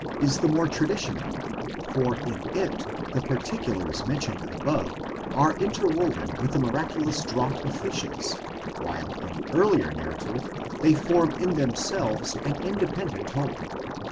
is the more traditional, for in it the particulars mentioned above are interwoven with the miraculous draught of fishes, while in the earlier narrative they form in themselves an independent whole.